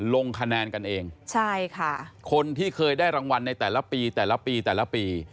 ลงคะแนนกันเองใช่ค่ะคนที่เคยได้รางวัลในแต่ละปีแต่ละปีแต่ละปี